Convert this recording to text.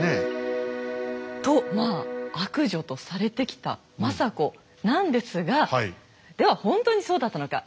とまあ「悪女」とされてきた政子なんですがでは本当にそうだったのか。